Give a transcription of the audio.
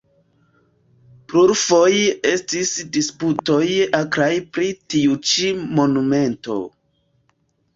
Plurfoje estis disputoj akraj pri tiu ĉi monumento.